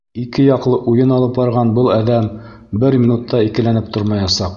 Ике яҡлы уйын алып барған был әҙәм бер минут та икеләнеп тормаясаҡ.